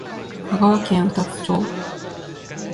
香川県宇多津町